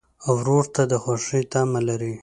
ورور ته د خوښۍ تمه لرې.